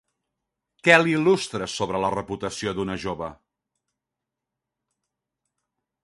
Què l'il·lustra sobre la reputació d'una jove?